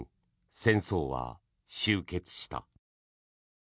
戦争は終結した。